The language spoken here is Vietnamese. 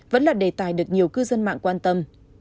vẫn là đề tài được nhiều cư dân mạng quan tâm